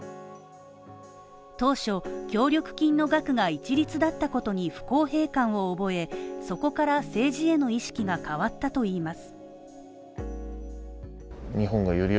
当初、協力金の額が一律だったことに不公平感を覚え、そこから政治への意識が変わったといいます。